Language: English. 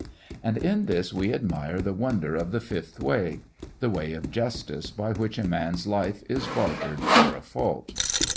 And in this we admire the wonder of the fifth way the way of justice by which a man's life is bartered for a fault.